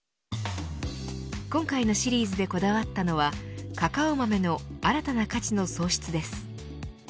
今回のシリーズでこだわったのは、カカオ豆の新たな価値の創出です。